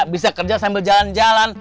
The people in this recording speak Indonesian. bisa kerja sambil jalan jalan